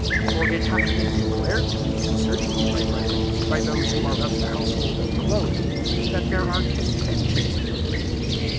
H For it hath been^ clared to me, concerning yew, my brethren, by those wAo itt$ of the household of Chloe, tW there are contentions amoaff you.